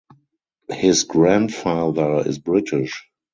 His grandfather is British.